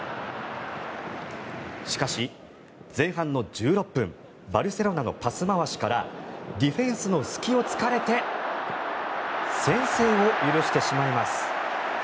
しかし、前半の１６分バルセロナのパス回しからディフェンスの隙を突かれて先制を許してしまいます。